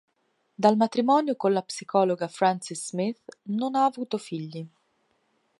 Dal matrimonio con la psicologa Frances Smith non ha avuto figli.